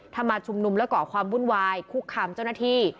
ถ้ามาชุมนุมและก่อความวุ่นวายคุกคามเจ้าหน้าที่